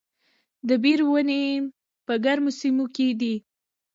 د بیر ونې په ګرمو سیمو کې دي؟